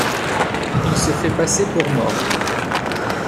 Il se fait passer pour mort.